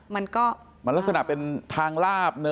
มันรักษณะเป็นทางลาบ